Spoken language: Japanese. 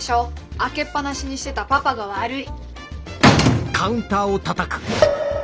開けっ放しにしてたパパが悪い！